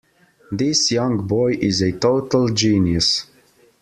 This young boy is a total genius.